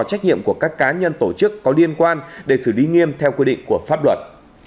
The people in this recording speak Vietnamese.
trách nhiệm của các cá nhân tổ chức có liên quan để xử lý nghiêm theo quy định của pháp luật